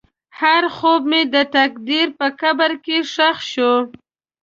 هر خوب مې د تقدیر په قبر کې ښخ شو.